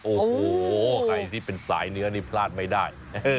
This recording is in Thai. โอ้โหใครที่เป็นสายเนื้อนี่พลาดไม่ได้